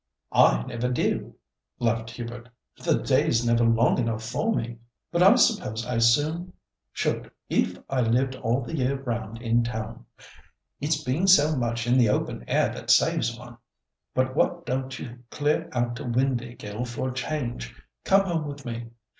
"I never do," laughed Hubert; "the day's never long enough for me; but I suppose I soon should if I lived all the year round in town. It's being so much in the open air that saves one. But why don't you clear out to Windāhgil for a change? Come home with me.